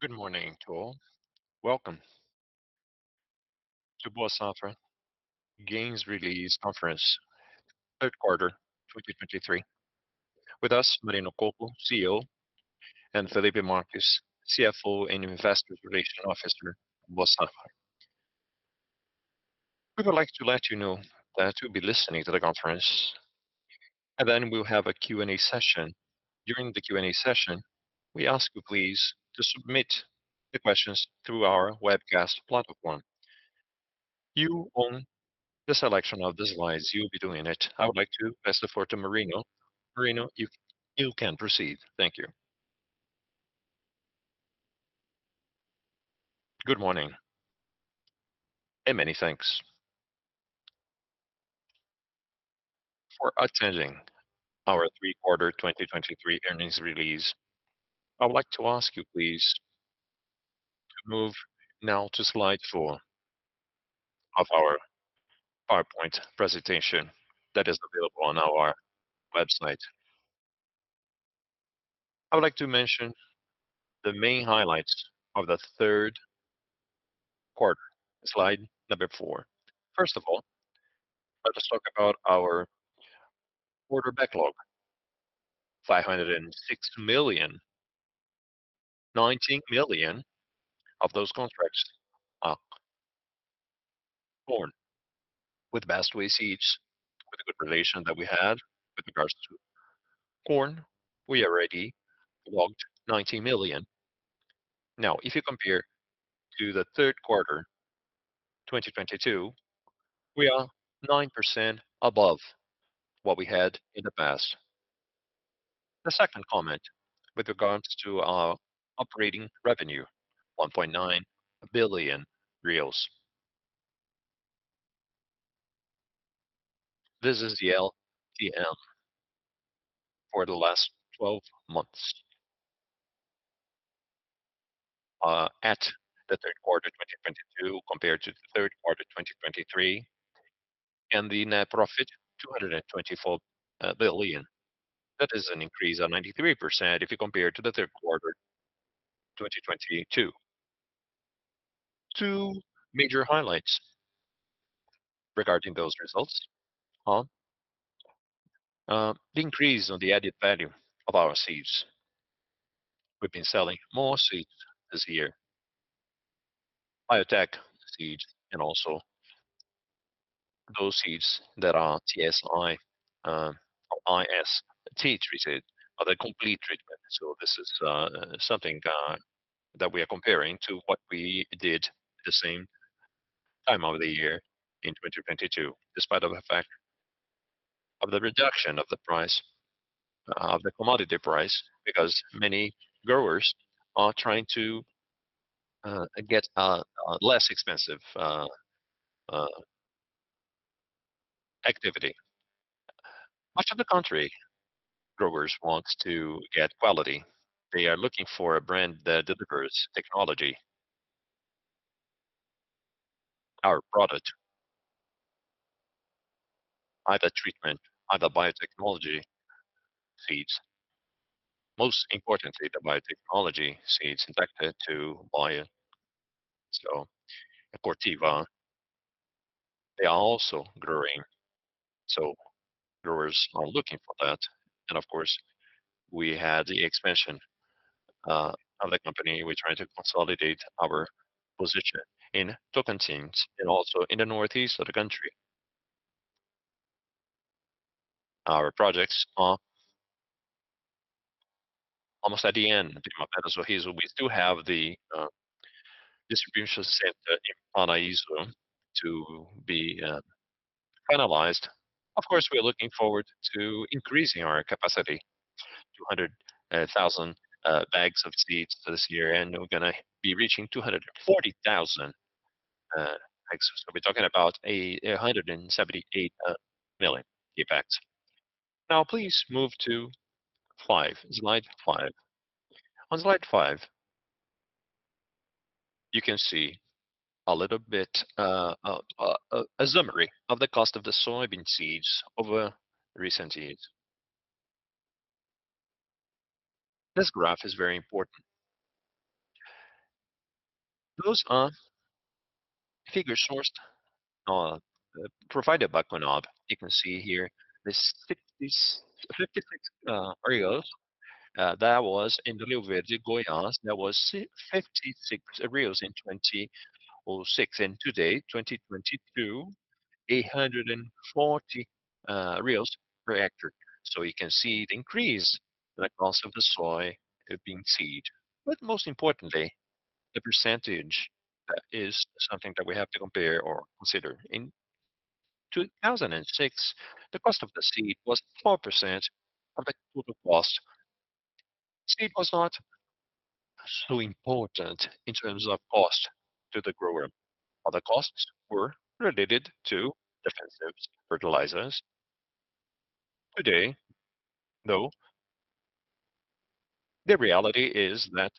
Good morning to all. Welcome to Boa Safra Earnings Release Conference, third quarter 2023. With us, Marino Colpo, CEO, and Felipe Marques, CFO and Investor Relations Officer, Boa Safra. We would like to let you know that you'll be listening to the conference, and then we'll have a Q&A session. During the Q&A session, we ask you please to submit the questions through our webcast platform. You own the selection of the slides, you'll be doing it. I would like to pass it forward to Marino. Marino, you can proceed. Thank you. Good morning, and many thanks for attending our third quarter 2023 earnings release. I'd like to ask you, please, to move now to slide four of our PowerPoint presentation that is available on our website. I would like to mention the main highlights of the third quarter, slide number four. First of all, let us talk about our order backlog, 506 million, 19 million of those contracts are corn. With the Bestway Seeds, with the good relation that we had with regards to corn, we already logged 90 million. Now, if you compare to the third quarter 2022, we are 9% above what we had in the past. The second comment with regards to our operating revenue, BRL 1.9 billion. This is the LTM for the last twelve months at the third quarter 2022 compared to the third quarter 2023, and the net profit, 224 billion. That is an increase of 93% if you compare to the third quarter 2022. Two major highlights regarding those results are the increase on the added value of our seeds. We've been selling more seeds this year, biotech seeds, and also those seeds that are TSI or IST treated, are the complete treatment. So this is something that we are comparing to what we did the same time of the year in 2022, despite of the fact of the reduction of the price, of the commodity price, because many growers are trying to get a less expensive activity. Much of the country, growers wants to get quality. They are looking for a brand that delivers technology. Our product, either treatment, either biotechnology seeds, most importantly, the biotechnology seeds intended for Bayer. So Corteva, they are also growing, so growers are looking for that. And of course, we had the expansion of the company. We're trying to consolidate our position in Tocantins and also in the northeast of the country. Our projects are almost at the end, in Mato Grosso. We still have the distribution center in Paraíso to be analyzed. Of course, we're looking forward to increasing our capacity to 200,000 bags of seeds this year, and we're gonna be reaching 240,000 bags. So we're talking about 178 million bags. Now, please move to slide five. On slide five, you can see a little bit a summary of the cost of the soybean seeds over recent years. This graph is very important. Those are figures sourced, provided by CONAB. You can see here, this fifty-six reals that was in the Rio Verde, Goiás. That was 56 in 2006, and today, 2022, 140 per acre. So you can see the increase in the cost of the soybean seed, but most importantly, the percentage is something that we have to compare or consider. In 2006, the cost of the seed was 4% of the total cost. Seed was not so important in terms of cost to the grower. Other costs were related to defensives, fertilizers. Today, though, the reality is that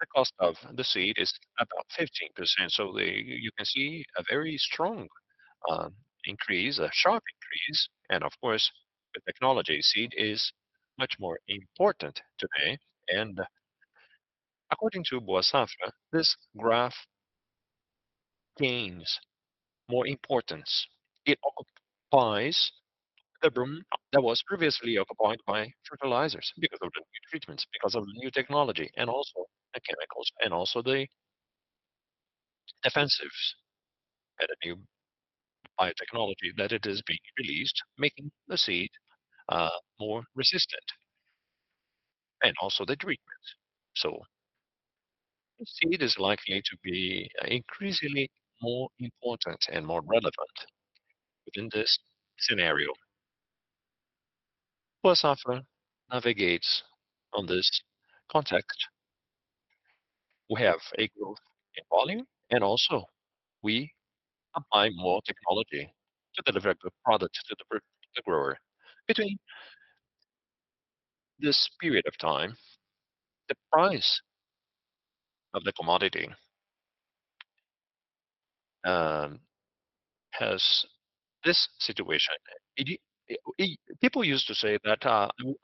the cost of the seed is about 15%, so you can see a very strong increase, a sharp increase, and of course, the technology seed is much more important today, and according to Boa Safra, this graph gains more importance. It occupies the room that was previously occupied by fertilizers, because of the new treatments, because of the new technology, and also the chemicals, and also the defensives and the new biotechnology that it is being released, making the seed more resistant, and also the treatment. So the seed is likely to be increasingly more important and more relevant within this scenario. Boa Safra navigates on this context. We have a growth in volume, and also we apply more technology to deliver the product to the grower. Between this period of time, the price of the commodity has this situation. It, it- people used to say that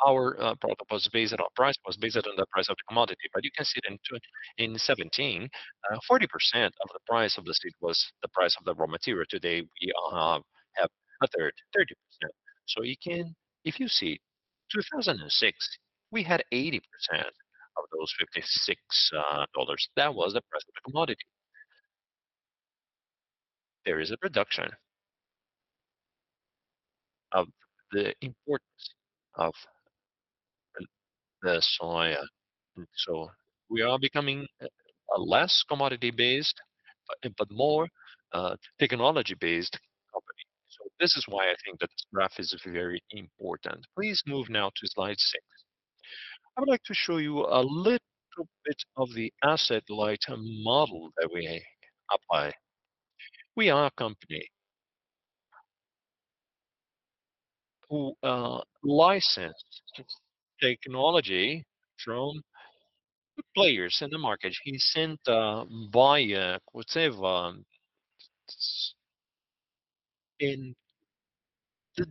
our product was based, or price was based on the price of the commodity, but you can see it in 2017, 40% of the price of the seed was the price of the raw material. Today, we have a third, 30%. So you can see if you see, 2006, we had 80% of those BRL 56. That was the price of the commodity. There is a reduction of the importance of the soya. So we are becoming a less commodity-based, but more technology-based company. So this is why I think that this graph is very important. Please move now to slide 6. I would like to show you a little bit of the asset-lighter model that we apply. We are a company who license technology from good players in the market. We sent via whatever in the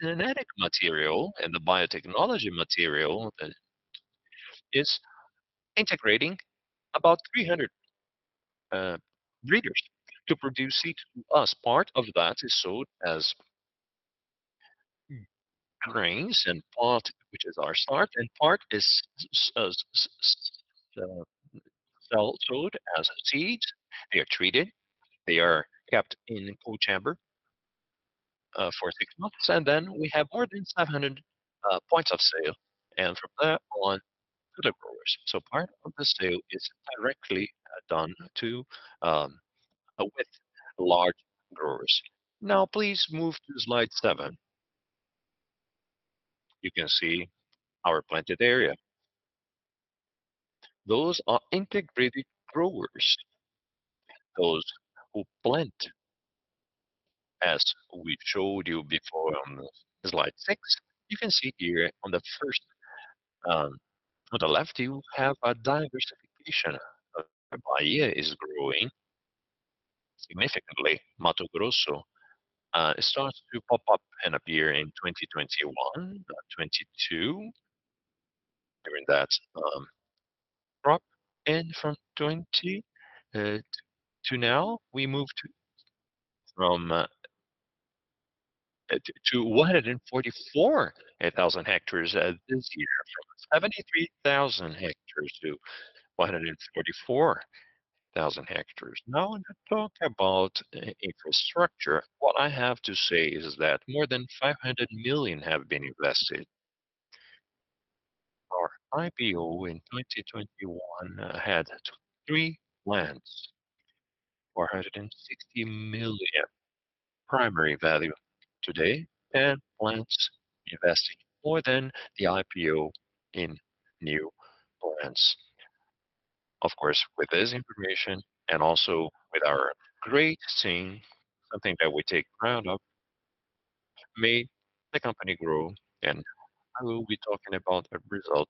genetic material and the biotechnology material is integrating about 300 breeders to produce seed to us. Part of that is sold as grains and part, which is our start, and part is sold as seeds. They are treated, they are kept in cold chamber for six months, and then we have more than 500 points of sale, and from there on to the growers. So part of the sale is directly done to with large growers. Now, please move to slide seven. You can see our planted area. Those are integrated growers, those who plant, as we showed you before on slide six. You can see here on the first on the left, you have a diversification. Bahia is growing significantly. Mato Grosso it starts to pop up and appear in 2021, 2022. During that, drop in from 20 to now, we moved from to 144,000 ha, this year, from 73,000 hectares to 144,000 ha. Now, to talk about infrastructure, what I have to say is that more than 500 million have been invested. Our IPO in 2021 had three plants, BRL 460 million primary value today, and plants investing more than the IPO in new plants. Of course, with this information, and also with our great team, something that we take pride of, made the company grow, and I will be talking about the result.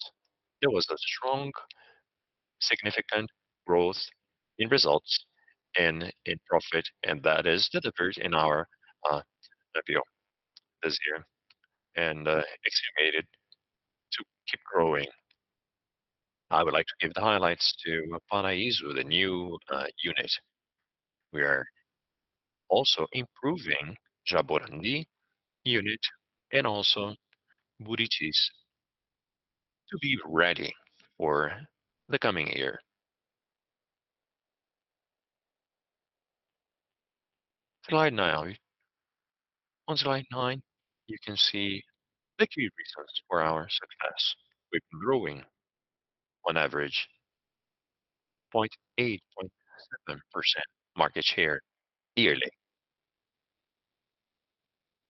There was a strong, significant growth in results and in profit, and that is delivered in our, IPO this year and, estimated to keep growing. I would like to give the highlights to Paraíso, the new, unit. We are also improving Jaborandi unit and also Murici to be ready for the coming year. Slide nine. On slide nine, you can see the key reasons for our success. We're growing on average, 0.8%, 0.7% market share yearly.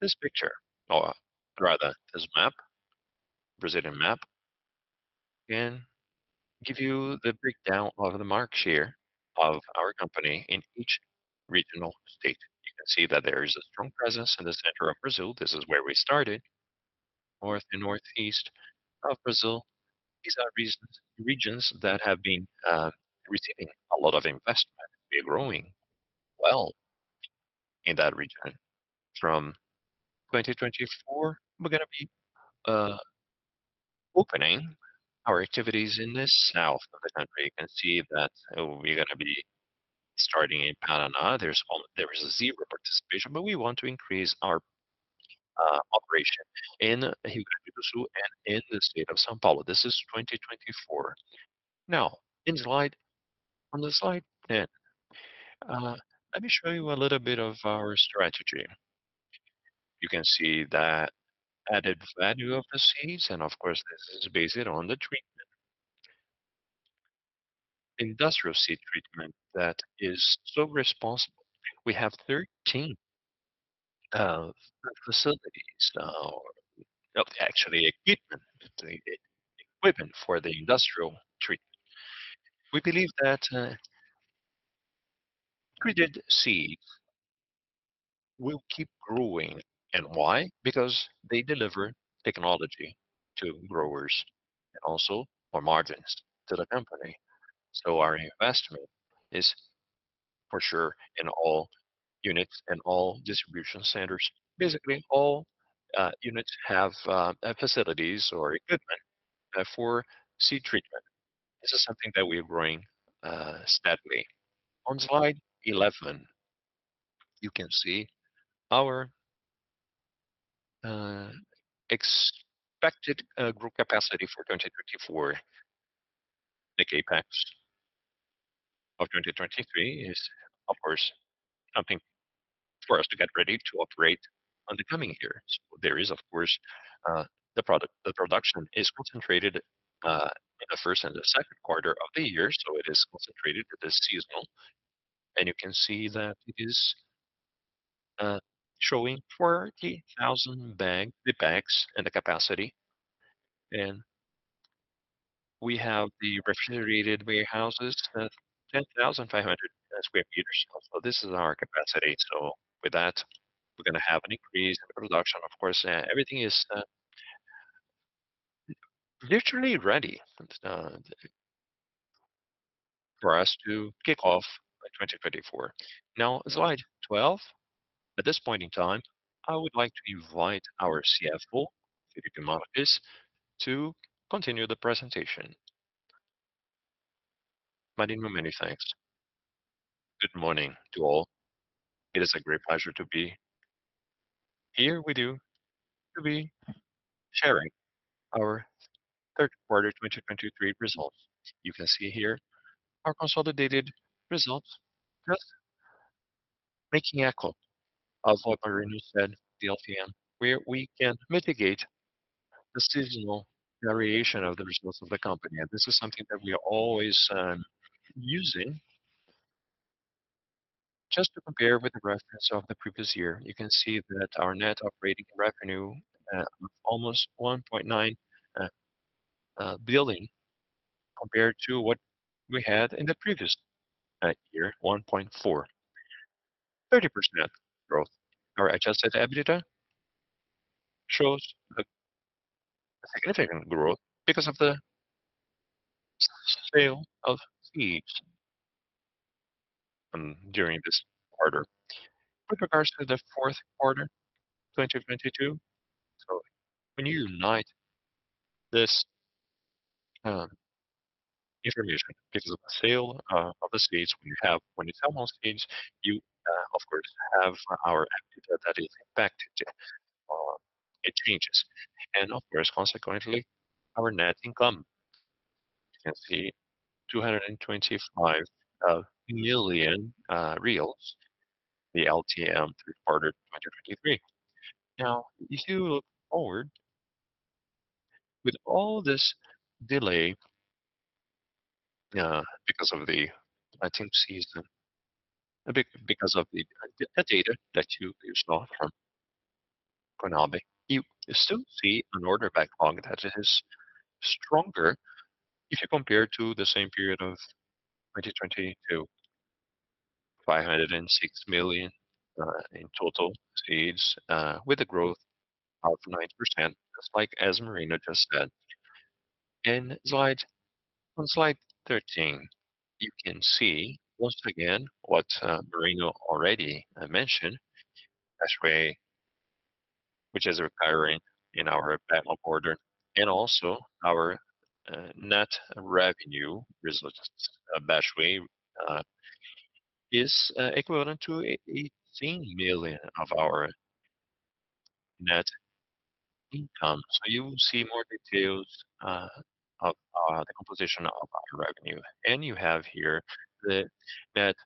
This picture, or rather, this map, Brazilian map, can give you the breakdown of the market share of our company in each regional state. You can see that there is a strong presence in the center of Brazil. This is where we started. North and Northeast of Brazil, these are regions, regions that have been receiving a lot of investment. We are growing well in that region. From 2024, we're gonna be opening our activities in the south of the country. You can see that we're gonna be starting in Paraná. There is zero participation, but we want to increase our operation in Rio Grande do Sul, and in the state of São Paulo. This is 2024. Now, on slide 10, let me show you a little bit of our strategy. You can see that added value of the seeds, and of course, this is based on the treatment. Industrial seed treatment, that is so responsible. We have 13 facilities now. Actually, equipment for the industrial treatment. We believe that treated seeds will keep growing. And why? Because they deliver technology to growers, and also more margins to the company. So our investment is for sure in all units and all distribution centers. Basically, all units have facilities or equipment for seed treatment. This is something that we are growing steadily. On slide 11, you can see our expected group capacity for 2024. The apex of 2023 is, of course, something for us to get ready to operate on the coming years. There is, of course, the production is concentrated in the first and second quarter of the year, so it is concentrated with the seasonal. You can see that it is showing 40,000 bags and the capacity, and we have the refrigerated warehouses, 10,500 sq m. So this is our capacity. So with that, we're gonna have an increase in production. Of course, everything is literally ready for us to kick off by 2024. Now, slide 12. At this point in time, I would like to invite our CFO, Felipe Marques, to continue the presentation. Marino, many thanks. Good morning to all. It is a great pleasure to be here with you, to be sharing our third quarter 2023 results. You can see here our consolidated results, just making echo of what Marino said, the LTM, where we can mitigate the seasonal variation of the results of the company. This is something that we are always using just to compare with the reference of the previous year. You can see that our net operating revenue almost 1.9 billion, compared to what we had in the previous year, 1.4 billion, 30% growth. Our adjusted EBITDA shows a significant growth because of the sale of seeds during this quarter. With regards to the fourth quarter, 2022, so when you unite this information, because of the sale of the seeds, when you have 20,000 seeds, you, of course, have our EBITDA that is impacted, it changes. And of course, consequently, our net income. You can see 225 million reais, the LTM third quarter, 2023. Now, if you look forward, with all this delay because of the planting season, because of the data that you saw from CONAB, you still see an order backlog that it is stronger if you compare to the same period of 2022, 506 million in total seeds with a growth of 9%, just like as Marino just said. On slide 13, you can see once again what Marino already mentioned as we, which is occurring in our backlog order, and also our net revenue results, backlog is equivalent to 18 million of our net income. So you will see more details of the composition of our revenue. And you have here the net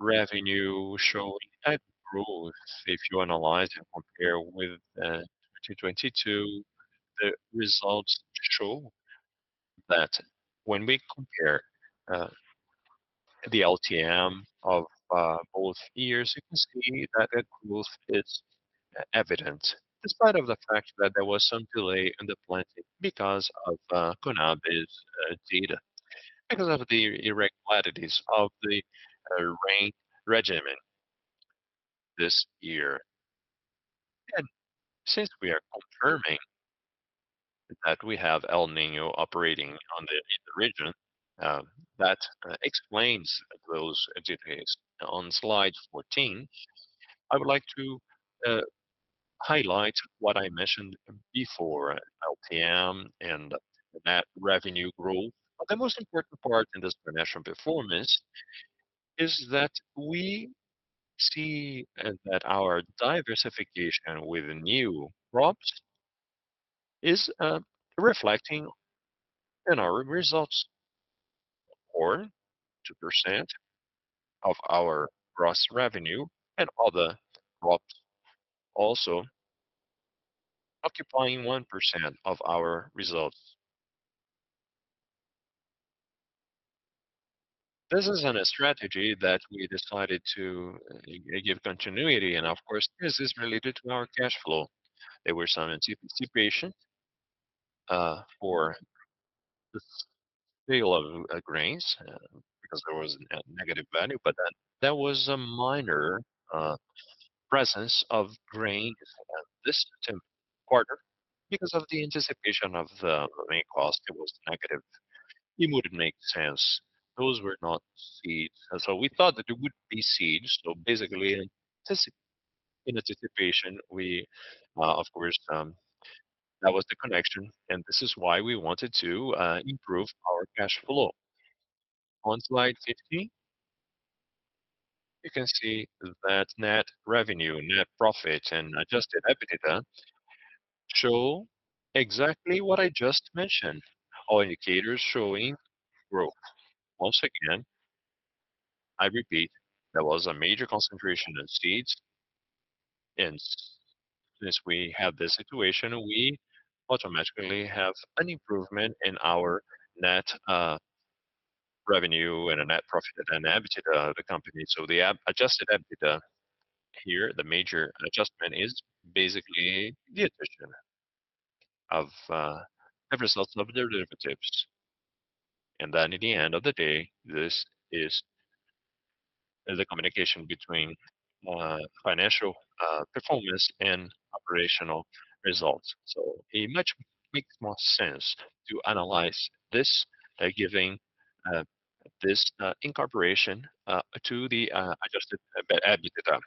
revenue showing a growth, if you analyze and compare with 2022. The results show that when we compare the LTM of both years, you can see that the growth is evident, despite of the fact that there was some delay in the planting because of CONAB's data, because of the irregularities of the rain regimen this year. Since we are confirming that we have El Niño operating on the, in the region, that explains those indicators. On slide 14, I would like to highlight what I mentioned before, LTM and the net revenue growth. But the most important part in this financial performance is that we see that our diversification with new crops is reflecting in our results. Corn, 2% of our gross revenue and other crops also occupying 1% of our results. This isn't a strategy that we decided to give continuity, and of course, this is related to our cash flow. There were some anticipation for the sale of grains because there was a negative value, but then there was a minor presence of grains in this quarter. Because of the anticipation of the main cost, it was negative. It wouldn't make sense. Those were not seeds. So we thought that it would be seeds. So basically, in anticipation, we, of course, that was the connection, and this is why we wanted to improve our cash flow. On slide 15, you can see that net revenue, net profit, and adjusted EBITDA show exactly what I just mentioned. All indicators showing growth. Once again, I repeat, there was a major concentration in seeds, and since we have this situation, we automatically have an improvement in our net revenue and a net profit and EBITDA of the company. So the Adjusted EBITDA here, the major adjustment is basically the addition of every result of the derivatives. And then at the end of the day, this is the communication between financial performance and operational results. So it much makes more sense to analyze this, giving this incorporation to the Adjusted EBITDA.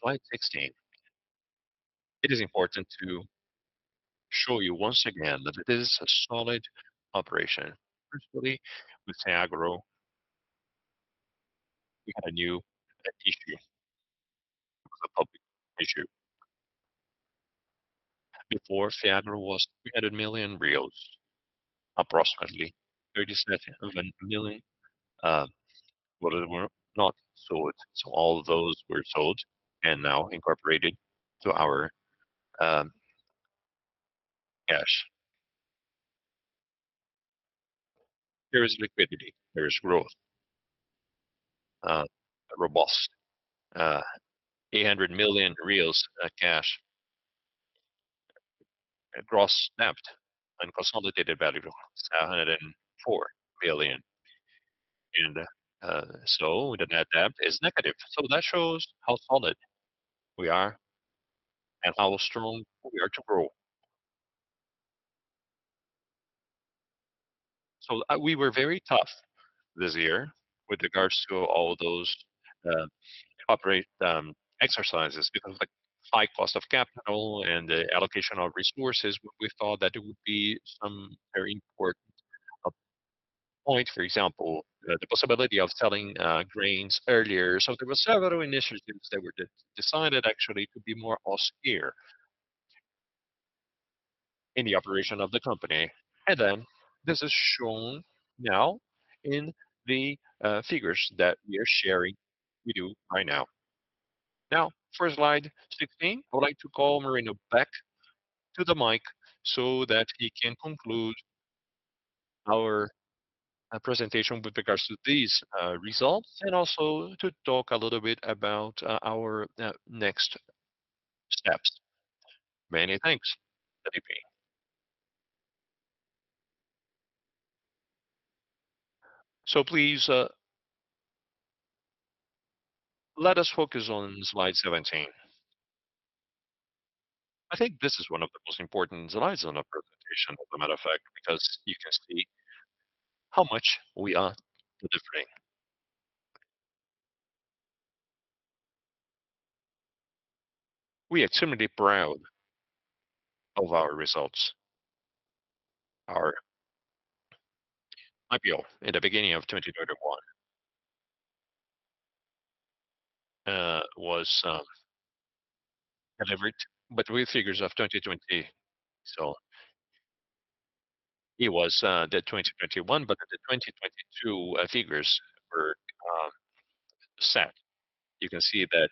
Slide 16. It is important to show you once again that it is a solid operation. Firstly, with Fiagro, we had a new issue, a public issue. Before, Fiagro was 300 million, approximately 37 million, but they were not sold. So all those were sold and now incorporated to our cash. There is liquidity, there is growth, robust, BRL 800 million cash. Gross debt and consolidated value, 104 billion. And so the net debt is negative. So that shows how solid we are and how strong we are to grow. So we were very tough this year with regards to all those operational exercises, because the high cost of capital and the allocation of resources. We thought that it would be some very important point, for example, the possibility of selling grains earlier. So there were several initiatives that were decided actually to be more austere in the operation of the company. And then this is shown now in the figures that we are sharing with you right now. Now, for slide 16, I would like to call Marino back to the mic so that he can conclude our presentation with regards to these results, and also to talk a little bit about our next steps. Many thanks, Felipe. So please, let us focus on slide 17. I think this is one of the most important slides on our presentation, as a matter of fact, because you can see how much we are delivering. We are extremely proud of our results. Our IPO in the beginning of 2021 was delivered, but with figures of 2020. So it was the 2021, but the 2022 figures were set. You can see that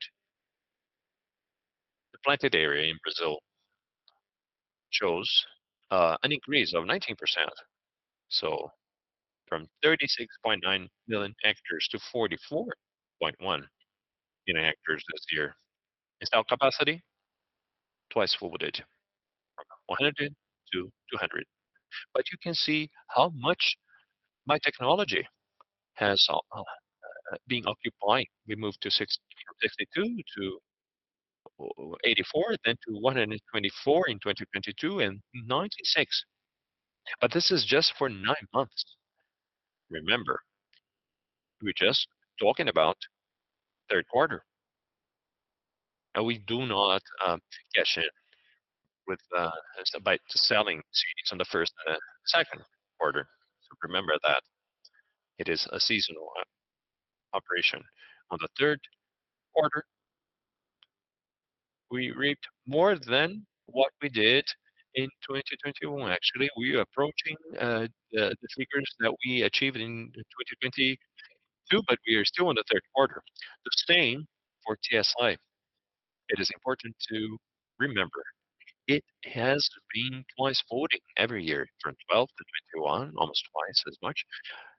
the planted area in Brazil shows an increase of 19%. So from 36.9 million hectares to 40.1 million hectares this year. Installed capacity? Twice forwarded from 100 to 200. But you can see how much my technology has been occupying. We moved to 60, 62 to 84, then to 124 in 2022, and 96. But this is just for nine months. Remember, we're just talking about third quarter, and we do not cash in with by selling seeds on the first and second quarter. So remember that it is a seasonal operation. On the third quarter, we reaped more than what we did in 2021. Actually, we are approaching the figures that we achieved in 2022, but we are still in the third quarter. The same for TSI. It is important to remember, it has been doubling every year from 2012 to 2021, almost twice as much,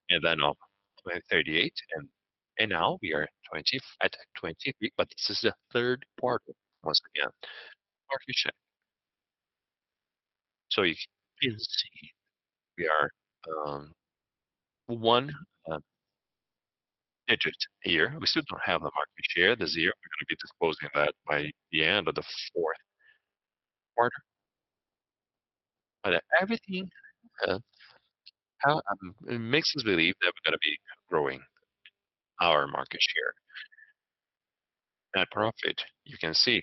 and then up to 38, and now we are at 23, but this is the third quarter, once again. Market share. So you can see we are one digit here. We still don't have the market share this year. We're gonna be disclosing that by the end of the fourth quarter. But everything, it makes us believe that we're gonna be growing our market share. Net profit, you can see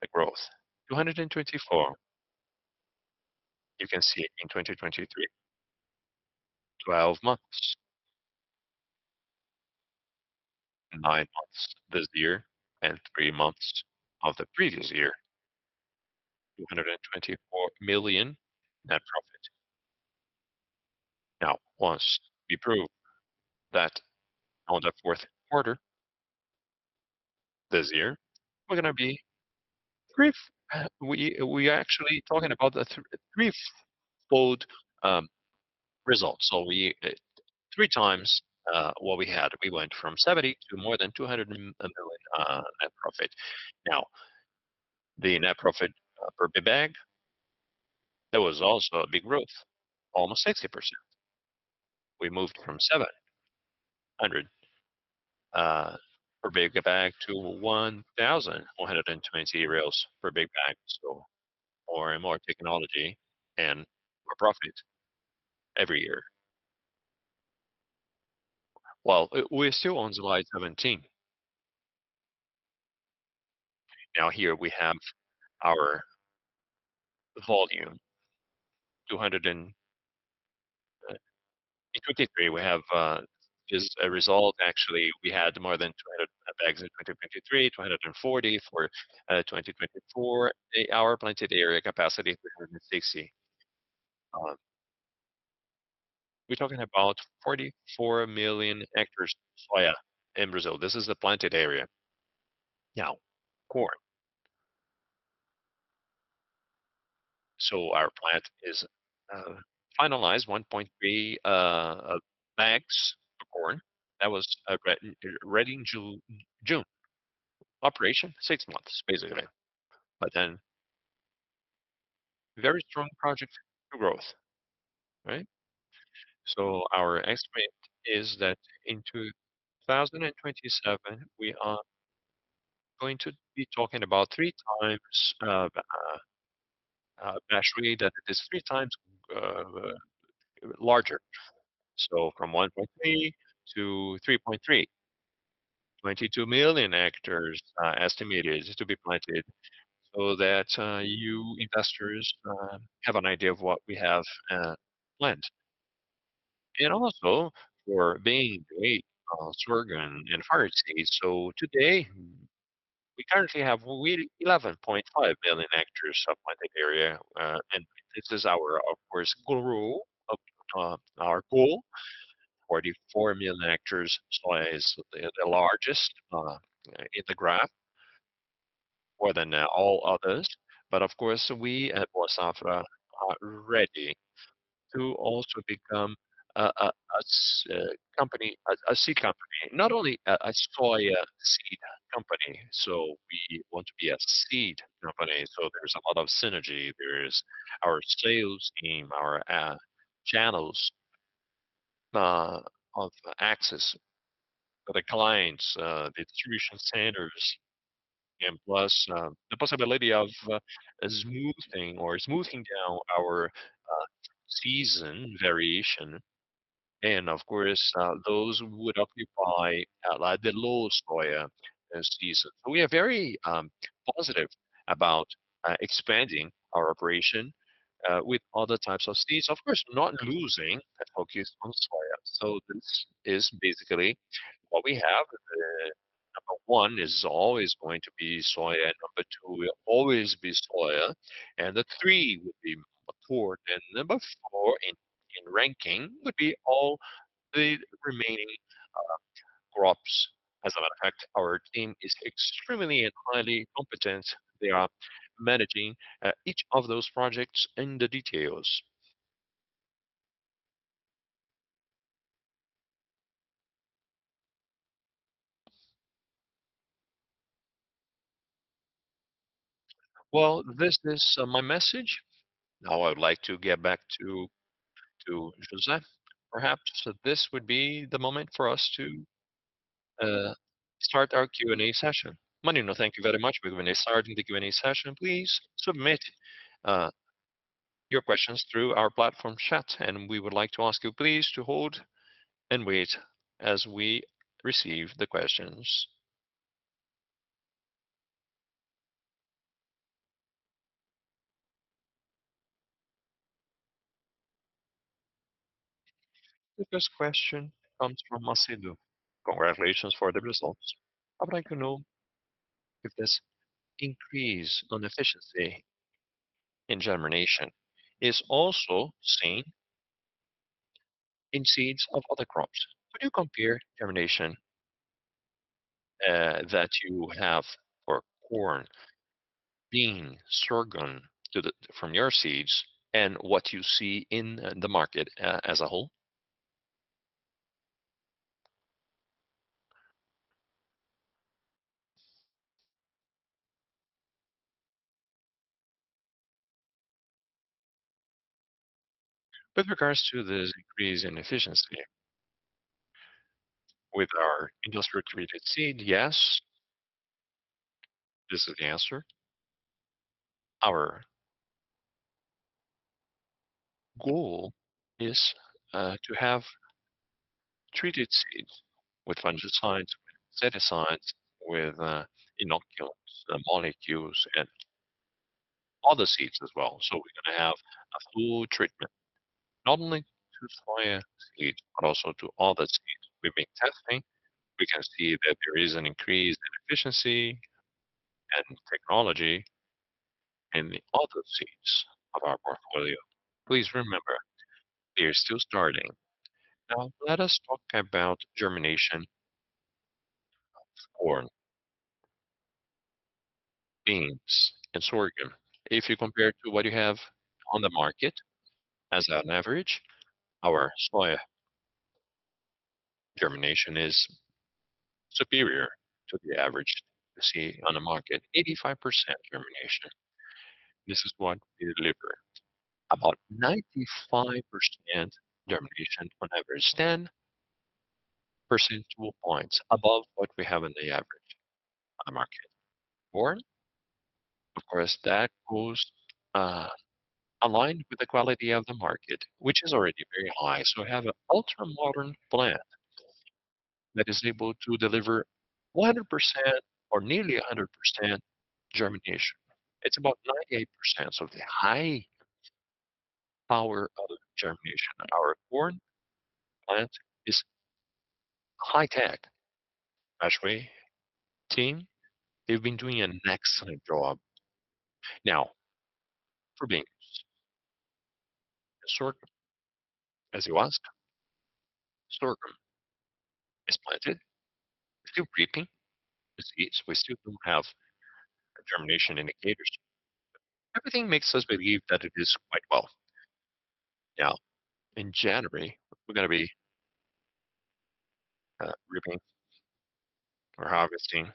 the growth, 224. You can see it in 2023, 12 months. Nine months this year, and three months of the previous year, 224 million net profit. Now, once we prove that on the fourth quarter this year, we're gonna be threefold, we're actually talking about a threefold result. So we three times what we had. We went from 70 million to more than 200 million net profit. Now, the net profit per big bag, there was also a big growth, almost 60%. We moved from 700 per big bag to 1,120 per big bag. So more and more technology and more profit every year. Well, we're still on slide seventeen. Now, here we have our volume, two hundred, and in 2023, we have, just a result. Actually, we had more than 200 bags in 2023, 240 for, 2024. Our planted area capacity, 360. We're talking about 44 million ha soya in Brazil. This is the planted area. Now, corn. So our plant is finalized 1.3 bags of corn. That was ready in June. Operation, six months, basically. But then very strong project to growth, right? So our estimate is that in 2027, we are going to be talking about three times, actually, that it is three times larger. So from 1.3 to 3.3. 22 million hectares estimated to be planted, so that you investors have an idea of what we have planned. And also for maize, sorghum, and bean. So today, we currently have 11.5 million hectares of planted area, and this is our, of course, goal of our goal. 44 million hectares, soya is the largest in the graph, more than all others. But of course, we at Boa Safra are ready to also become a seed company, not only a soya seed company. So we want to be a seed company, so there's a lot of synergy. There is our sales team, our channels of access to the clients, the distribution centers, and plus the possibility of smoothing or smoothing down our season variation. Of course, those would occupy the low soy season. We are very positive about expanding our operation with other types of seeds. Of course, not losing the focus on soy. This is basically what we have. Number one is always going to be soy, and number two will always be soy, and the three would be corn, and number four in ranking would be all the remaining crops. As a matter of fact, our team is extremely and highly competent. They are managing each of those projects in the details. Well, this is my message. Now I would like to get back to Joseph. Perhaps, this would be the moment for us to start our Q&A session. Marino, thank you very much. We're gonna be starting the Q&A session. Please submit your questions through our platform chat, and we would like to ask you please to hold and wait as we receive the questions. The first question comes from Macedo. Congratulations for the results. I would like to know if this increase on efficiency in germination is also seen in seeds of other crops. Could you compare germination that you have for corn, bean, sorghum, to the from your seeds and what you see in the market as a whole? With regards to this increase in efficiency with our industrially treated seed, yes. This is the answer. Our goal is to have treated seeds with fungicides, with insecticides, with inoculants, molecules, and other seeds as well. So we're gonna have a full treatment, not only to soya seed, but also to other seeds. We've been testing, we can see that there is an increase in efficiency and technology in the other seeds of our portfolio. Please remember, we are still starting. Now, let us talk about germination of corn, beans, and sorghum. If you compare to what you have on the market as on average, our soya germination is superior to the average you see on the market, 85% germination. This is what we deliver. About 95% germination, 110 percentage points above what we have in the average on the market. Corn, of course, that goes aligned with the quality of the market, which is already very high. So we have an ultra-modern plant that is able to deliver 100% or nearly 100% germination. It's about 98%, so the high power of germination in our corn, and it's high tech. Actually, team, they've been doing an excellent job. Now, for beans. Sorghum, as you asked, sorghum is planted. We're still reaping the seeds. We still don't have germination indicators. Everything makes us believe that it is quite well. Now, in January, we're gonna be reaping or harvesting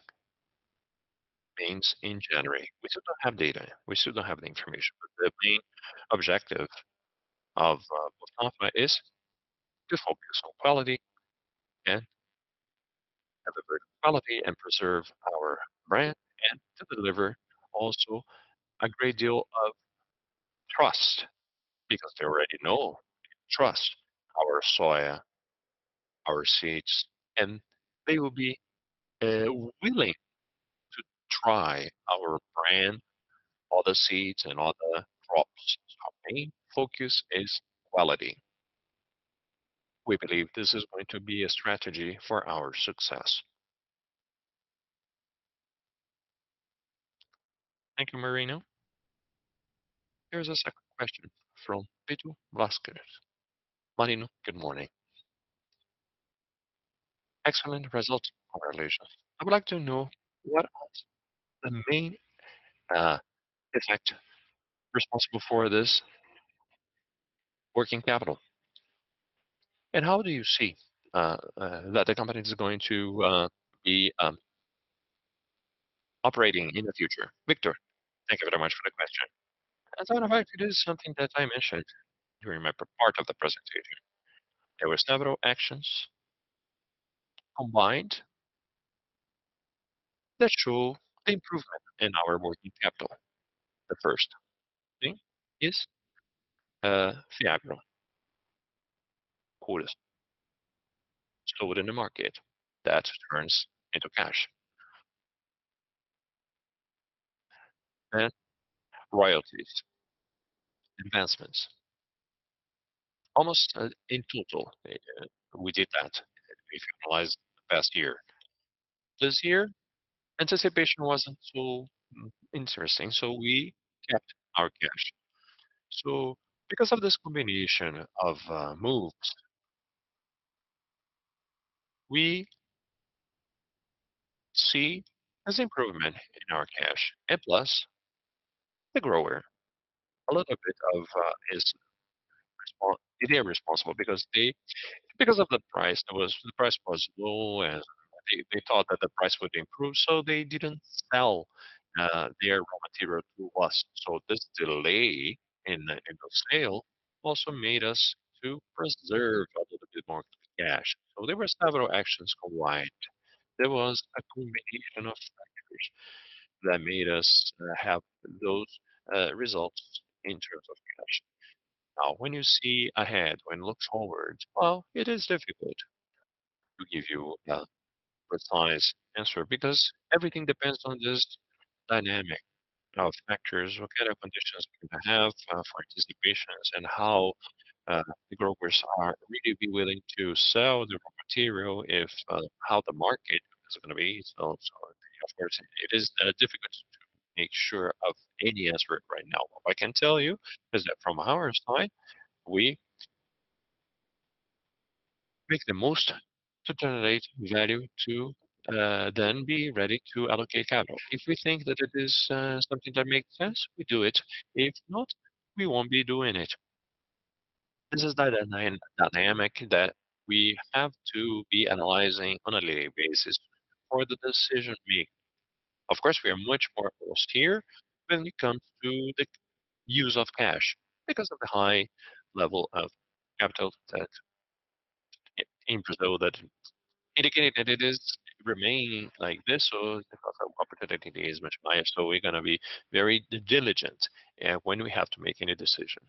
beans in January. We still don't have data, we still don't have the information, but the main objective of Boa Safra is to focus on quality and have a good quality, and preserve our brand, and to deliver also a great deal of trust because they already know, they trust our soy, our seeds, and they will be willing to try our brand, other seeds, and other crops. Our main focus is quality. We believe this is going to be a strategy for our success. Thank you, Marino. Here's a second question from Victor Vazquez. Marino, good morning. Excellent result. Congratulations. I would like to know what was the main effect responsible for this working capital, and how do you see that the company is going to be operating in the future? Victor, thank you very much for the question. As a matter of fact, it is something that I mentioned during my part of the presentation. There was several actions combined that show improvement in our working capital. The first thing is, Fiagro quotas stored in the market that turns into cash. And royalties, advancements. Almost, in total, we did that. We finalized the past year. This year, anticipation wasn't so interesting, so we kept our cash. So because of this combination of moves, we see as improvement in our cash, and plus the grower, they are responsible because they, because of the price that was, the price was low, and they, they thought that the price would improve, so they didn't sell their raw material to us. So this delay in the sale also made us to preserve a little bit more cash. So there were several actions combined. There was a combination of factors that made us have those results in terms of cash. Now, when you see ahead, when look forward, well, it is difficult to give you a precise answer because everything depends on this dynamic of factors. What kind of conditions we're gonna have for anticipations, and how the growers are really be willing to sell the raw material if how the market is gonna be. So, of course, it is difficult to make sure of any answer right now. What I can tell you is that from our side, we make the most to generate value to then be ready to allocate capital. If we think that it is something that makes sense, we do it. If not, we won't be doing it. This is the dynamic that we have to be analyzing on a daily basis for the decision we. Of course, we are much more austere when it comes to the use of cash, because of the high level of capital that in Brazil that indicate that it is remaining like this, so because our operating activity is much higher, so we're gonna be very diligent when we have to make any decision.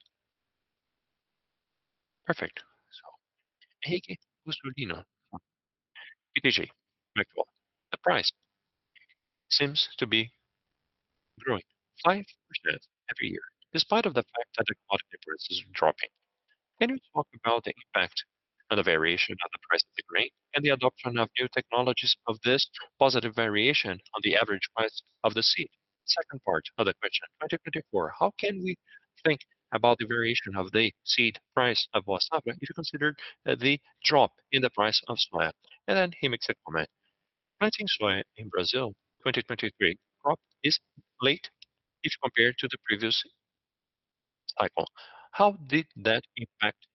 Perfect. So, hey, [Gustavo], BTG, the price seems to be growing 5% every year, despite of the fact that the commodity price is dropping. Can you talk about the impact and the variation on the price of the grain and the adoption of new technologies of this positive variation on the average price of the seed? Second part of the question, 2024, how can we think about the variation of the seed price of Vosta, if you consider the drop in the price of soya? And then he makes a comment. Planting soya in Brazil, 2023 crop is late if compared to the previous cycle. How did that impact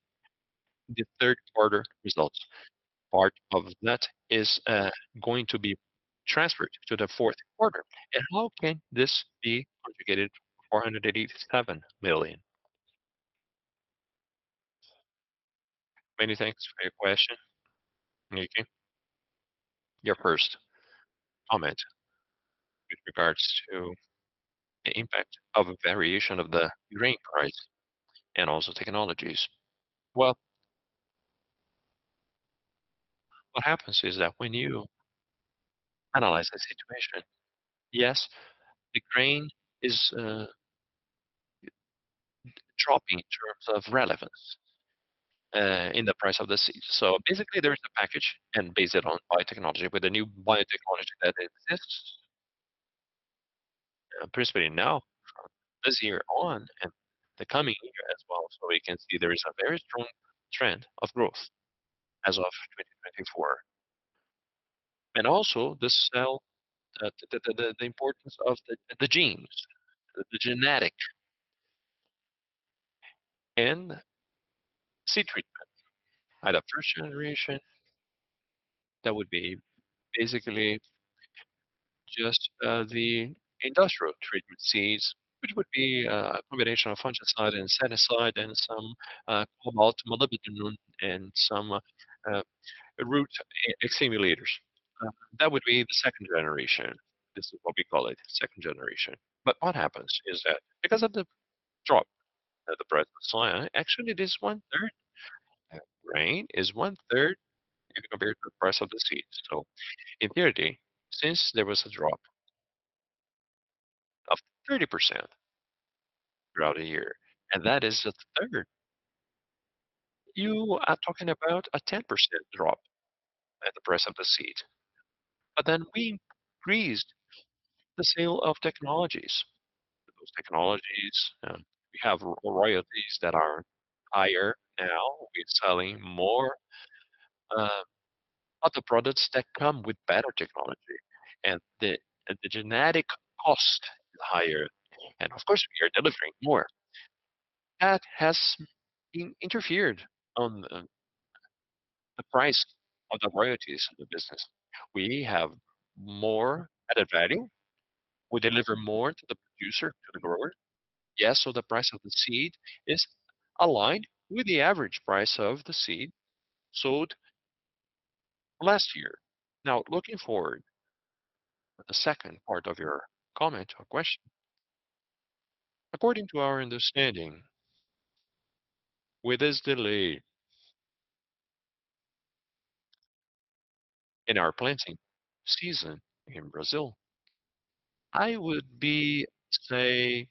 the third quarter results? Part of that is going to be transferred to the fourth quarter, and how can this be conjugated 487 million? Many thanks for your question, [Nikki]. Your first comment with regards to the impact of a variation of the grain price and also technologies. Well, what happens is that when you analyze this situation, yes, the grain is dropping in terms of relevance in the price of the seed. So basically, there is a package can base it on biotechnology, with the new biotechnology that exists, principally now, this year on and the coming year as well. So we can see there is a very strong trend of growth as of 2024. And also the sell, the importance of the genes, the genetic and seed treatment. I had a first generation that would be basically just the industrial treatment seeds, which would be a combination of fungicide and insecticide and some cobalt, molybdenum, and some root stimulators. That would be the second generation. This is what we call it, second generation. But what happens is that because of the drop of the price of soy, actually, this one-third grain is one-third compared to the price of the seed. So in theory, since there was a drop of 30% throughout a year, and that is a third, you are talking about a 10% drop at the price of the seed. But then we increased the sale of technologies. Those technologies, we have royalties that are higher now. We're selling more, other products that come with better technology, and the genetic cost is higher. And of course, we are delivering more. That has been interfered on, the price of the royalties of the business. We have more added value. We deliver more to the producer, to the grower. Yes, so the price of the seed is aligned with the average price of the seed sold last year. Now, looking forward, the second part of your comment or question. According to our understanding, with this delay in our planting season in Brazil, I would be, say,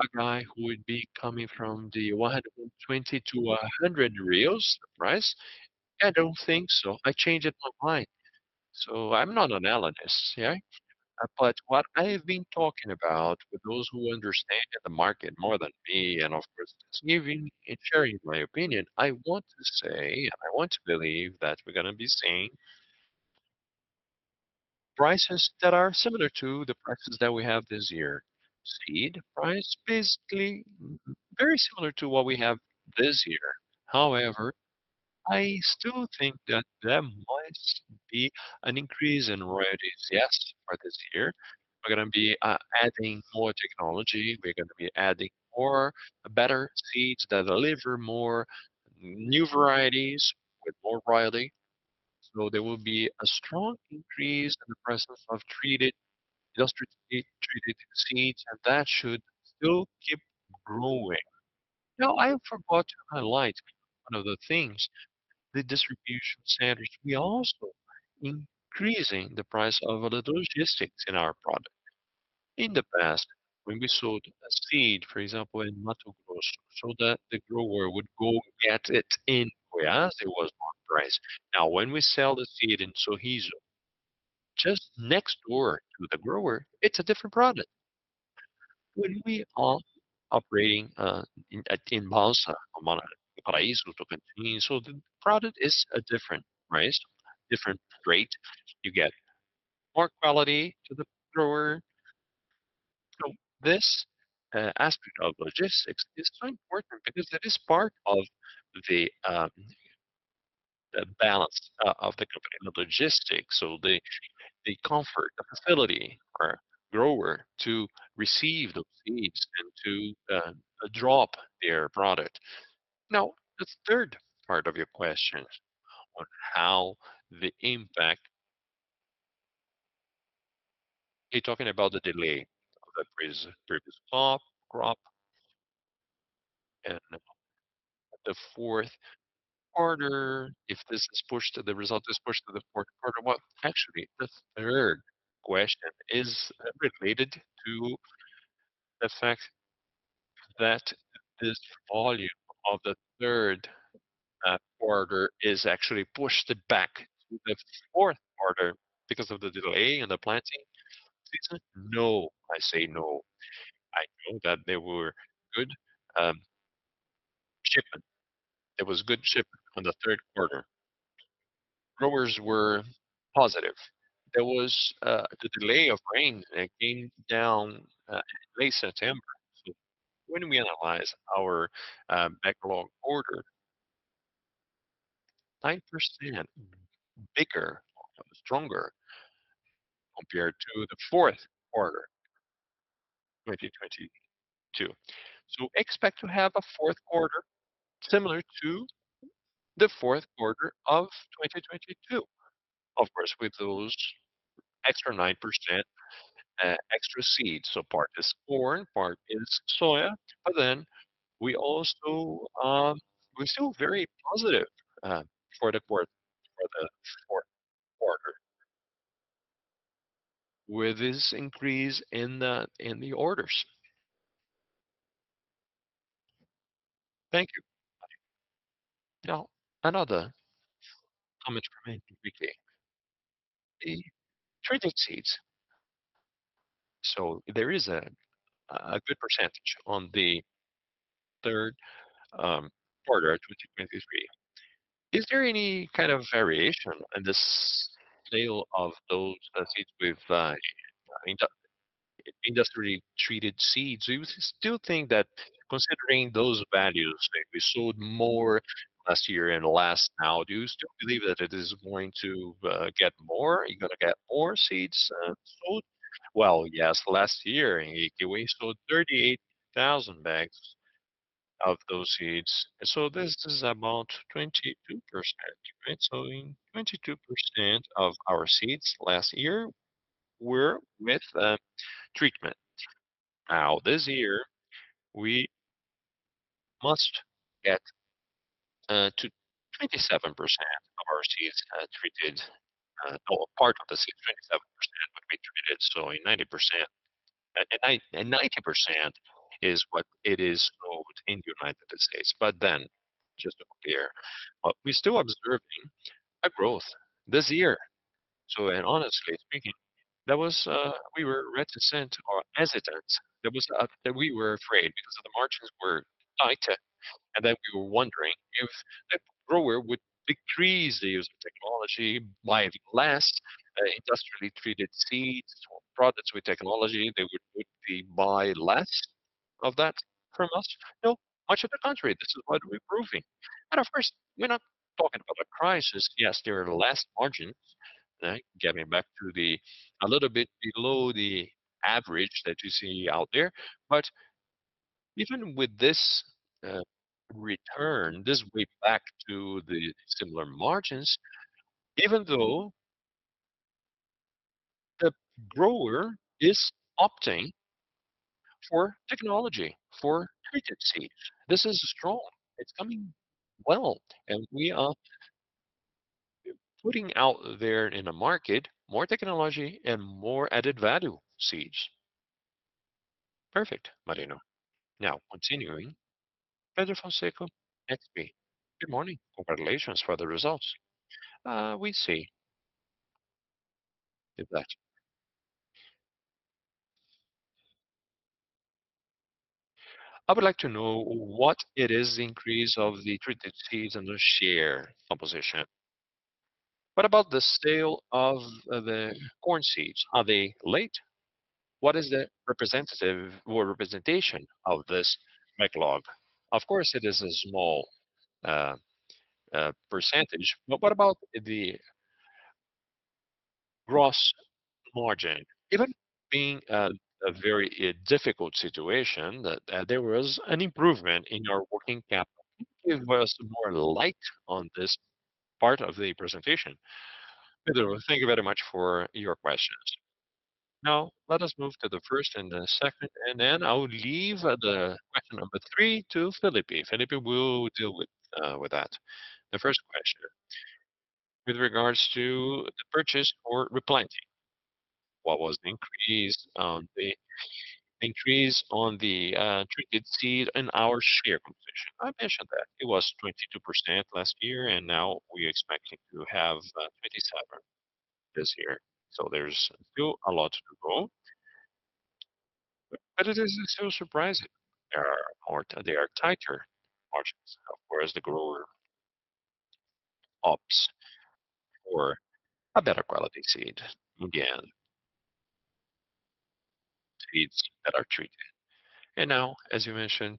a guy who would be coming from the 120-100 price. I don't think so. I changed my mind. So I'm not an analyst, yeah, but what I've been talking about with those who understand the market more than me, and of course, just giving and sharing my opinion, I want to say, and I want to believe that we're gonna be seeing prices that are similar to the prices that we have this year. Seed price, basically, very similar to what we have this year. However, I still think that there might be an increase in royalties. Yes, for this year, we're gonna be adding more technology, we're gonna be adding more better seeds that deliver more new varieties with more royalty. So there will be a strong increase in the presence of treated, industrially-treated seeds, and that should still keep growing. Now, I forgot to highlight one of the things, the distribution centers. We also increasing the price of the logistics in our product. In the past, when we sold a seed, for example, in Mato Grosso, so that the grower would go get it in Goiás, it was one price. Now, when we sell the seed in Sorriso, just next door to the grower, it's a different product. When we are operating in Balsas, Paraíso, so the product is a different price, different rate. You get more quality to the grower. So this aspect of logistics is so important because it is part of the balance of the company, the logistics. So the comfort, the facility for grower to receive the seeds and to drop their product. Now, the third part of your question on how the impact... You're talking about the delay of the previous, previous crop, crop and the fourth quarter, if this is pushed to the result, this pushed to the fourth quarter. Well, actually, the third question is related to the fact that this volume of the third quarter is actually pushed back to the fourth quarter because of the delay in the planting season. No, I say no. I know that there were good shipment. There was good shipment on the third quarter. Growers were positive. There was the delay of rain that came down in late September. So when we analyze our backlog order, 9% bigger and stronger compared to the fourth quarter, 2022. So expect to have a fourth quarter similar to the fourth quarter of 2022. Of course, with those extra 9% extra seeds. So part is corn, part is soya, but then we also we're still very positive for the fourth quarter with this increase in the orders. Thank you. Now, another comment remained regarding the treated seeds. So there is a good percentage on the third quarter of 2023. Is there any kind of variation in the sale of those seeds with industrially treated seeds? We still think that considering those values, we sold more last year and last. Now, do you still believe that it is going to get more? You're gonna get more seeds sold? Well, yes, last year in 2Q, we sold 38,000 bags of those seeds. So this is about 22%, right? So 22% of our seeds last year were with treatment. Now, this year, we must get to 27% of our seeds treated, or part of the seeds, 27% will be treated. So 90%—and 90%, and 90% is what it is sold in the United States. But then, just to be clear, we're still observing a growth this year. And honestly speaking, that was, we were reticent or hesitant. There was that we were afraid because the margins were tighter, and then we were wondering if the grower would decrease the use of technology, buying less industrially treated seeds or products with technology; they would be buying less of that from us. No, much to the contrary, this is what we're proving. And of course, we're not talking about a crisis. Yes, there are less margins, right? Getting back to a little bit below the average that you see out there. But even with this return, this way back to the similar margins, even though the grower is opting for technology, for treated seeds, this is strong. It's coming well, and we are putting out there in the market more technology and more added value seeds. Perfect, Marino. Now, continuing, Pedro Fonseca, XP. "Good morning. Congratulations for the results. We see that-... I would like to know what it is, the increase of the treated seeds and the share composition. What about the sale of, the corn seeds? Are they late? What is the representative or representation of this backlog? Of course, it is a small, percentage, but what about the gross margin? Even being, a very, difficult situation, that, there was an improvement in our working capital. Give us more light on this part of the presentation. Pedro, thank you very much for your questions. Now, let us move to the first and the second, and then I will leave the question number three to Felipe. Felipe will deal with, with that. The first question, with regards to the purchase or replanting, what was the increase on the treated seed and our share composition? I mentioned that it was 22% last year, and now we're expecting to have 27% this year. So there's still a lot to go, but it isn't so surprising. There are more. They are tighter margins, of course, the grower opts for a better quality seed. Again, seeds that are treated. And now, as you mentioned,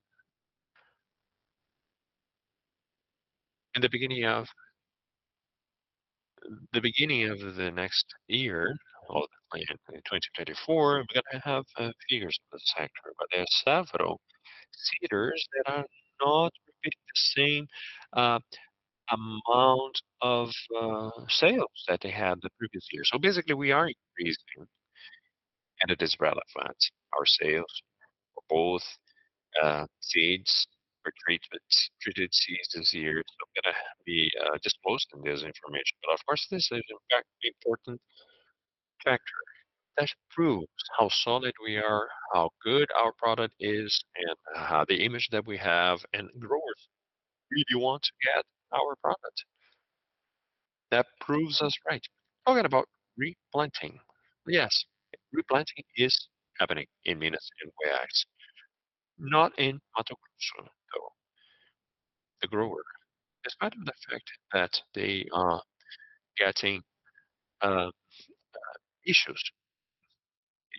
in the beginning of the next year, well, in 2024, we're gonna have a few years in the sector, but there are several seeders that are not repeating the same amount of sales that they had the previous year. So basically, we are increasing, and it is relevant. Our sales for both seeds or treatments, treated seeds this year. So I'm gonna be just posting this information. But of course, this is in fact the important factor that proves how solid we are, how good our product is, and the image that we have, and growers really want to get our product. That proves us right. Talking about replanting. Yes, replanting is happening in Minas and Goiás, not in Mato Grosso, though. The grower, despite of the fact that they are getting issues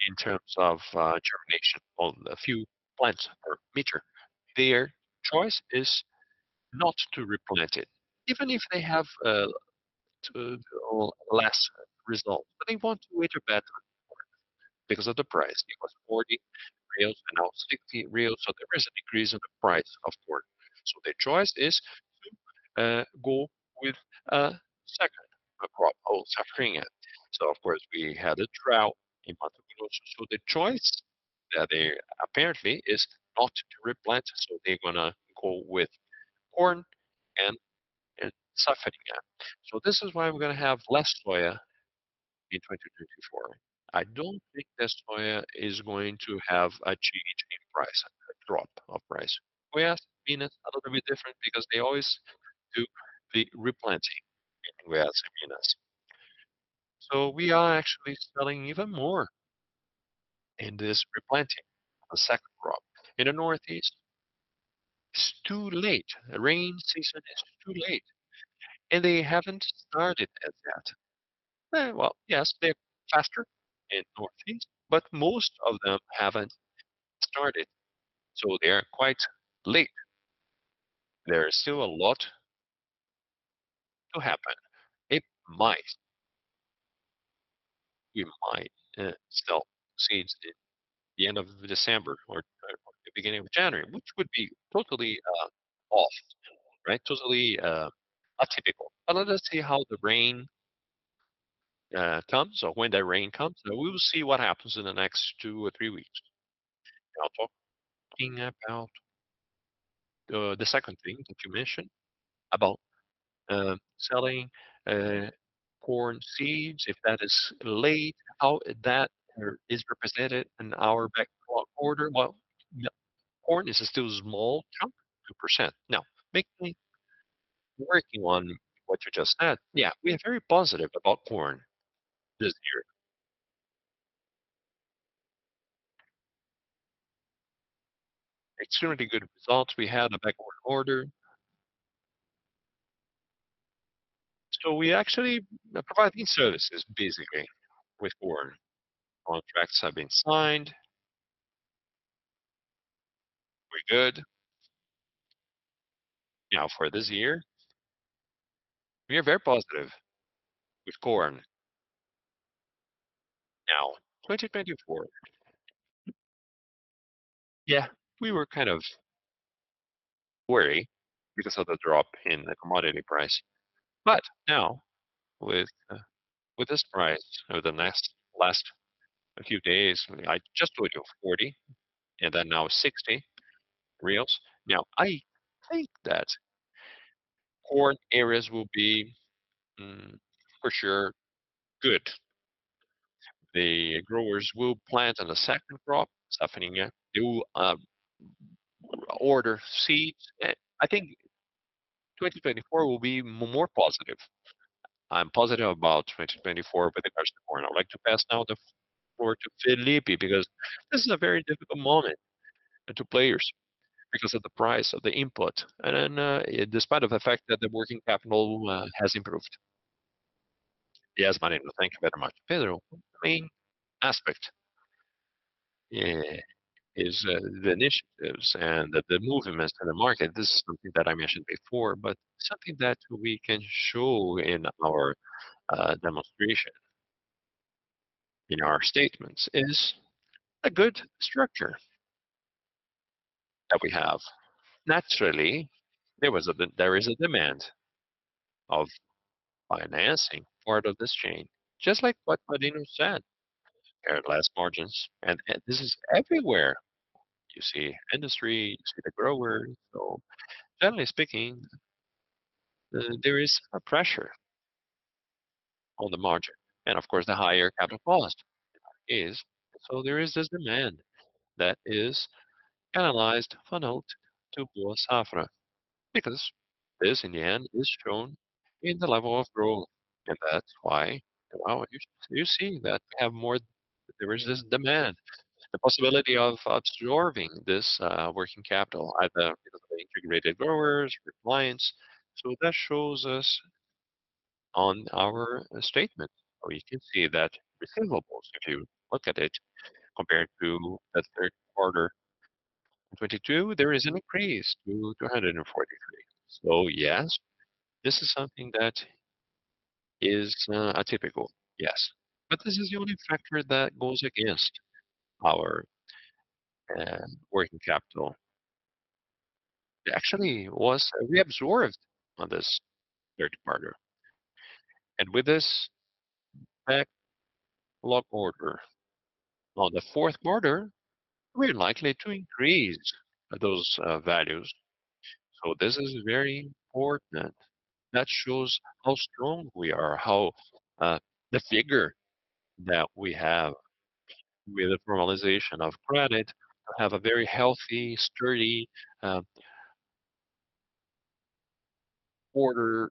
in terms of germination on a few plants per meter, their choice is not to replant it. Even if they have to less results, but they want to wait a better because of the price. It was 40 reais and now 60 reais, so there is an increase in the price of corn. So their choice is go with second crop or Safrinha. So of course, we had a drought in Mato Grosso, so the choice that they—apparently is not to replant, so they're gonna go with corn and, and Safrinha. So this is why we're gonna have less soya in 2024. I don't think this soya is going to have a GG in price, a drop of price. Goiás, Minas, a little bit different because they always do the replanting in Goiás and Minas. So we are actually selling even more in this replanting, the second crop. In the Northeast, it's too late. The rain season is too late, and they haven't started as yet. Well, yes, they're faster in Northeast, but most of them haven't started, so they are quite late. There is still a lot to happen. It might... We might sell seeds in the end of December or the beginning of January, which would be totally off, right? Totally atypical. But let us see how the rain comes or when the rain comes, and we will see what happens in the next two or three weeks. Now, talking about the second thing that you mentioned, about selling corn seeds, if that is late, how that is represented in our backlog order. Well, corn is still small, 2%. Now, make me working on what you just said. Yeah, we are very positive about corn this year. It's really good results we had in the backlog order. So we actually providing services, basically, with corn. All contracts have been signed. We're good. Now, for this year, we are very positive with corn. Now, 2024, yeah, we were kind of worried because of the drop in the commodity price. But now, with this price over the last few days, it just went to 40 and then now 60 BRL. Now, I think that corn areas will be for sure good. The growers will plant on the second crop, Safrinha, order seeds. I think 2024 will be more positive. I'm positive about 2024 with regards to corn. I would like to pass now the floor to Felipe, because this is a very difficult moment to players because of the price of the input, and then, despite of the fact that the working capital has improved. Yes, Marino, thank you very much. Pedro, the main aspect is the initiatives and the movement in the market. This is something that I mentioned before, but something that we can show in our demonstration, in our statements, is a good structure that we have. Naturally, there is a demand of financing part of this chain, just like what Marino said, at last margins. And this is everywhere. You see industry, you see the growers. So generally speaking, there is a pressure on the margin, and of course, the higher capital cost is. So there is this demand that is analyzed, funneled to Boa Safra, because this, in the end, is shown in the level of growth. And that's why, wow, you see that we have more-- there is this demand, the possibility of absorbing this working capital, either integrated growers or clients. So that shows us on our statement, where you can see that receivables, if you look at it, compared to the third quarter of 2022, there is an increase to 243. So yes, this is something that is atypical, yes. But this is the only factor that goes against our working capital. It actually was reabsorbed on this third quarter. And with this backlog order, on the fourth quarter, we're likely to increase those values. So this is very important. That shows how strong we are, how the figure that we have with the formalization of credit have a very healthy, sturdy order.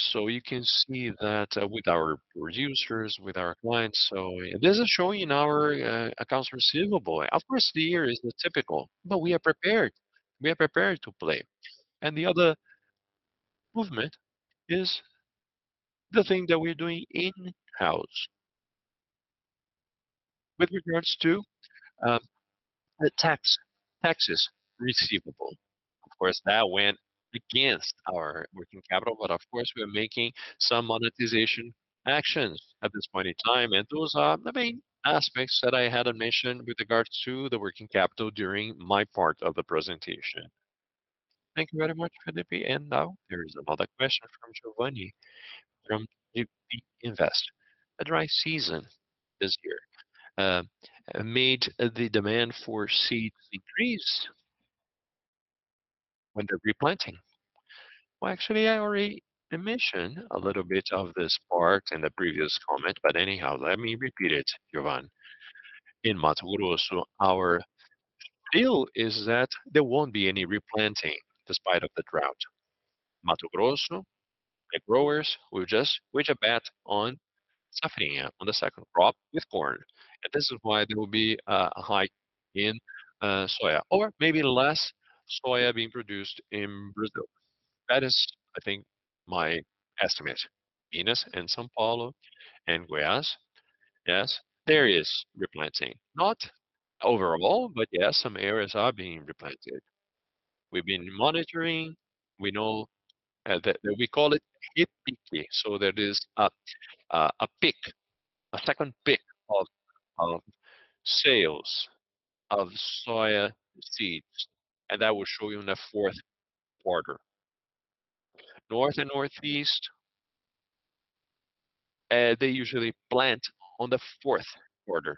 So you can see that with our producers, with our clients. So this is showing in our accounts receivable. Of course, the year is not typical, but we are prepared. We are prepared to play. The other movement is the thing that we're doing in-house with regards to the taxes receivable. Of course, that went against our working capital, but of course, we are making some monetization actions at this point in time, and those are the main aspects that I had to mention with regards to the working capital during my part of the presentation. Thank you very much, Felipe. Now there is another question from Giovanni, from BB Invest. The dry season this year made the demand for seeds increase when they're replanting. Well, actually, I already mentioned a little bit of this part in the previous comment, but anyhow, let me repeat it, Giovanni. In Mato Grosso, our feel is that there won't be any replanting despite of the drought. Mato Grosso, the growers will just switch to bet on Safrinha, on the second crop with corn, and this is why there will be a decline in soya or maybe less soya being produced in Brazil. That is, I think, my estimate. Minas and São Paulo and Goiás, yes, there is replanting. Not overall, but yes, some areas are being replanted. We've been monitoring. We know that we call it a bit peaky. So there is a peak, a second peak of sales of soya seeds, and that will show in the fourth quarter. North and Northeast, they usually plant in the fourth quarter,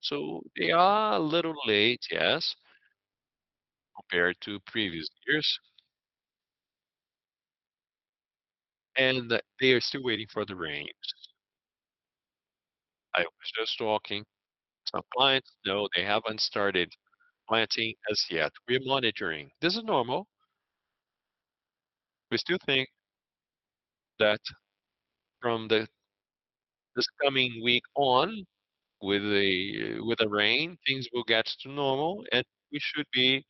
so they are a little late, yes, compared to previous years, and they are still waiting for the rains. I was just talking to some clients. No, they haven't started planting as yet. We are monitoring. This is normal. We still think that from this coming week on, with the rain, things will get to normal, and we should be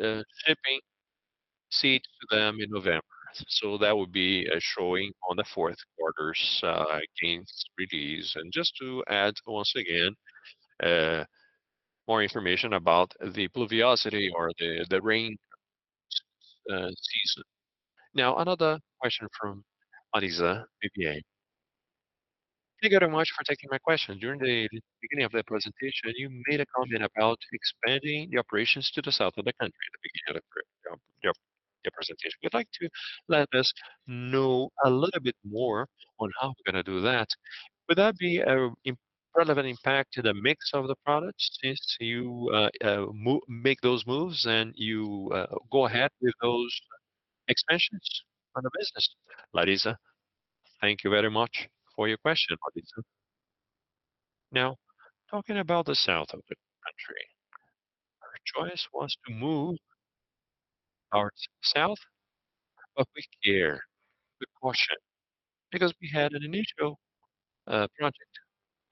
shipping seeds to them in November. So that would be a showing on the fourth quarter's gains release. And just to add, once again, more information about the pluviosity or the rain season. Now, another question from Larissa, BBA. Thank you very much for taking my question. During the beginning of the presentation, you made a comment about expanding the operations to the south of the country at the beginning of your presentation. We'd like to let us know a little bit more on how we're going to do that. Would that be a relevant impact to the mix of the products since you make those moves, and you go ahead with those expansions on the business? Larissa, thank you very much for your question, Larissa. Now, talking about the south of the country, our choice was to move our south, but with care, with caution, because we had an initial project,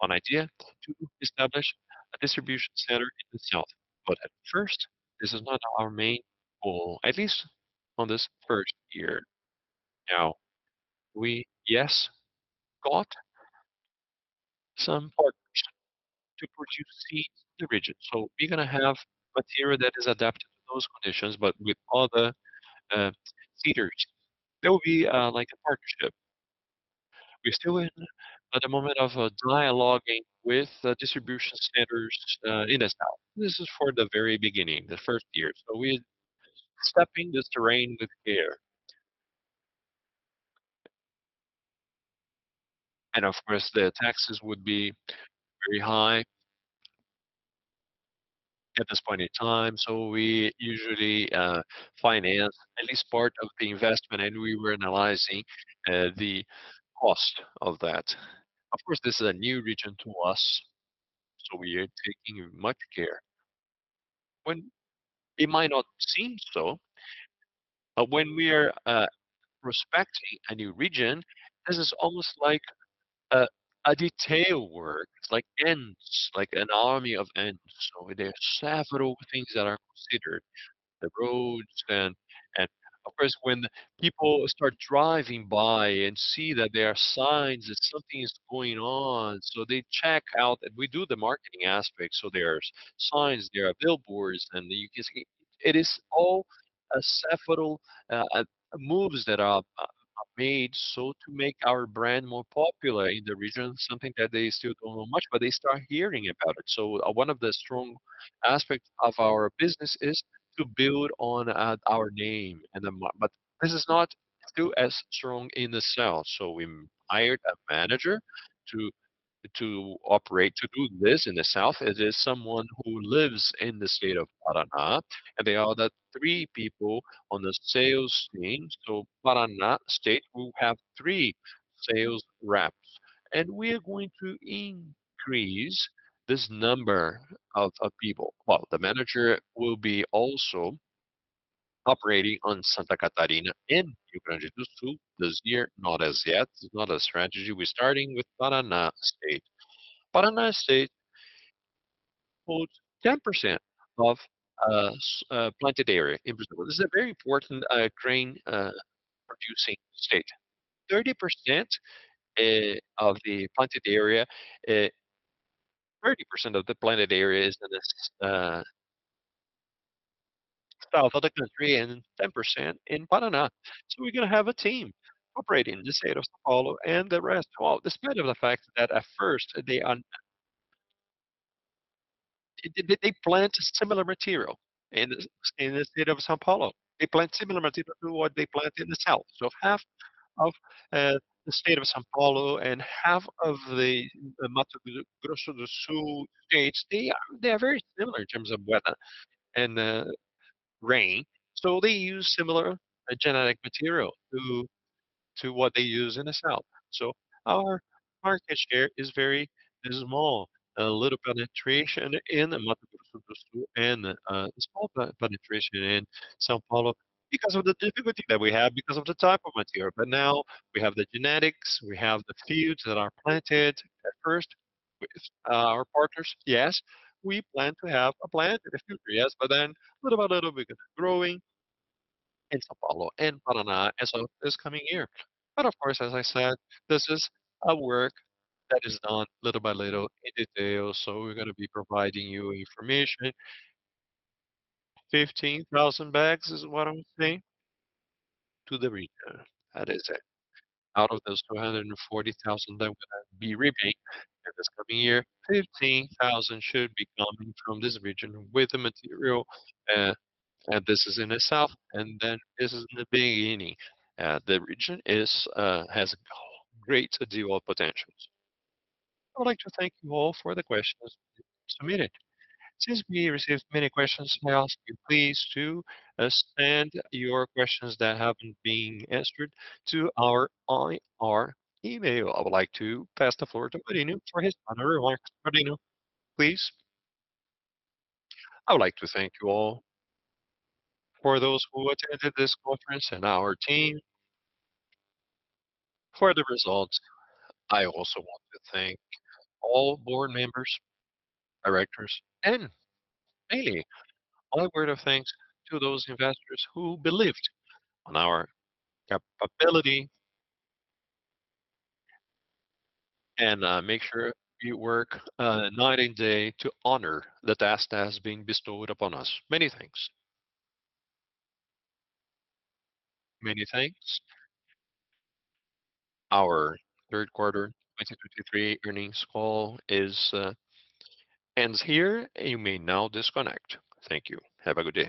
an idea to establish a distribution center in the south. But at first, this is not our main goal, at least on this first year. Now, we, yes, got some partners to produce seeds in the region. So we're gonna have material that is adapted to those conditions, but with other seeds. There will be, like a partnership. We're still in at the moment of dialoguing with the distribution centers in the south. This is for the very beginning, the first year. So we're stepping this terrain with care. And of course, the taxes would be very high at this point in time, so we usually finance at least part of the investment, and we were analyzing the cost of that. Of course, this is a new region to us, so we are taking much care. When it might not seem so, but when we are respecting a new region, this is almost like a detail work. It's like ants, like an army of ants. So there are several things that are considered, the roads, and of course, when people start driving by and see that there are signs, that something is going on, so they check out. And we do the marketing aspect, so there's signs, there are billboards, and you can see. It is all several moves that are made, so to make our brand more popular in the region, something that they still don't know much, but they start hearing about it. So one of the strong aspects of our business is to build on our name and the mark- but this is not still as strong in the south. So we hired a manager to operate, to do this in the south. It is someone who lives in the state of Paraná, and there are the three people on the sales team. So Paraná state will have three sales reps, and we are going to increase this number of people. Well, the manager will be also operating on Santa Catarina in Rio Grande do Sul this year, not as yet. It's not a strategy. We're starting with Paraná state. Paraná state holds 10% of planted area in Brazil. This is a very important grain producing state. 30% of the planted area—30% of the planted area is in the south of the country and 10% in Paraná. So we're gonna have a team operating in the state of São Paulo and the rest. Well, despite of the fact that at first they plant similar material in the state of São Paulo. They plant similar material to what they plant in the south. So half of the state of São Paulo and half of the Mato Grosso do Sul states, they are very similar in terms of weather and rain, so they use similar genetic material to what they use in the south. So our market share is very small, a little penetration in the Mato Grosso do Sul and small penetration in São Paulo because of the difficulty that we have, because of the type of material. But now we have the genetics, we have the fields that are planted. At first, our partners, yes, we plan to have a plant in a few years, but then little by little, we begin growing in São Paulo and Paraná, as of this coming year. But of course, as I said, this is a work that is done little by little in detail, so we're gonna be providing you information. 15,000 bags is what I'm saying to the region. That is it. Out of those 240,000 that will be reaped in this coming year, 15,000 should be coming from this region with the material, and this is in the south, and then this is the beginning. The region is, has a great deal of potentials. I would like to thank you all for the questions submitted. Since we received many questions, may I ask you please to, send your questions that haven't been answered to our IR email. I would like to pass the floor to Marino for his final remarks. Marino, please. I would like to thank you all. For those who attended this conference and our team for the results, I also want to thank all board members, directors, and mainly, a word of thanks to those investors who believed in our capability, and, make sure you work, night and day to honor the task that has been bestowed upon us. Many thanks. Many thanks. Our third quarter 2023 earnings call is, ends here, and you may now disconnect. Thank you. Have a good day.